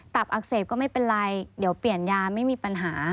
อักเสบก็ไม่เป็นไรเดี๋ยวเปลี่ยนยาไม่มีปัญหา